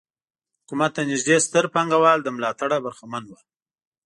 حکومت ته نږدې ستر پانګوال له ملاتړه برخمن وو.